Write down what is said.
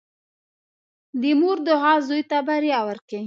• د مور دعا زوی ته بریا ورکوي.